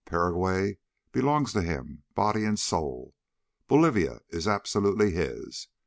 Paraguay belongs to him, body and soul. Bolivia is absolutely his.